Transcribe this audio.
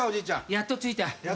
やっと着いた。